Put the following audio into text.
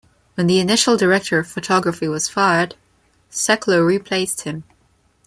When the initial director of photography was fired, Steckler replaced him.